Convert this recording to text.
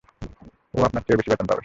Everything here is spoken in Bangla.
ও আপনার চেয়ে বেশি বেতন পাবে।